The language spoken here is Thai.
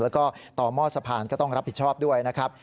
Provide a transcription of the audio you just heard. แล้วก็ต่อหม้อสะพานก็ต้องรับผิดชอบด้วยนะครับ